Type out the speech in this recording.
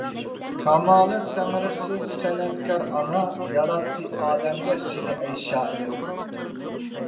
كامالەت تەڭرىسى سەنئەتكار ئانا، ياراتتى ئالەمگە سېنى ئەي شائىر.